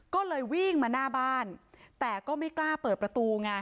ก็เลยวิ่งมาหน้าบ้านแต่ก็ไม่กล้าเปิดประตูไง